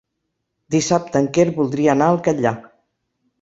Dissabte en Quer voldria anar al Catllar.